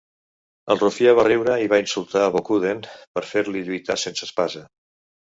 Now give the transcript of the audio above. El rufià va riure i va insultar a Bokuden per fer-li lluitar sense espasa.